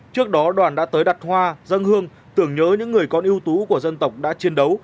trước đó đoàn đã tới đặt hoa dân hương tưởng nhớ những người con ưu tú của dân tộc đã chiến đấu